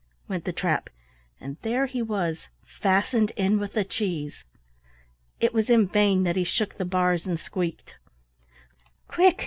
went the trap, and there he was fastened in with the cheese. It was in vain that he shook the bars and squeaked. "Quick!